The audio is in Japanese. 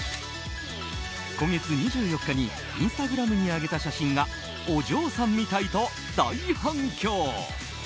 今月２４日にインスタグラムに上げた写真がお嬢さんみたいと大反響。